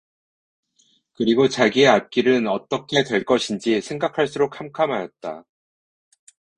그리고 자기의 앞길은 어떻게 될 것인지 생각수록 캄캄하였다.